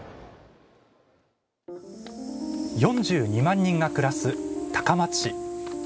４２万人が暮らす、高松市。